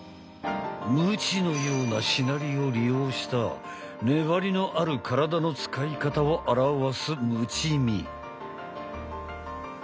ムチのようなしなりを利用した粘りのある体の使い方を表すムチミ。